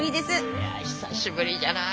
いや久しぶりじゃな。